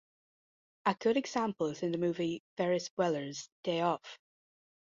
A good example is in the movie "Ferris Bueller's Day Off".